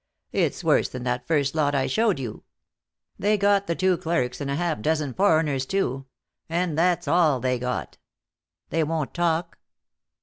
It's worse than that first lot I showed you. They got the two clerks, and a half dozen foreigners, too. And that's all they got." "They won't talk?"